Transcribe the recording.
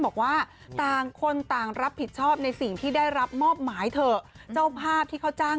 ของดีช